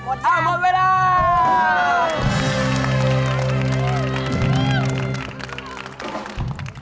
เอาหมดไว้แล้ว